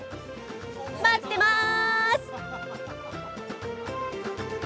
待ってます！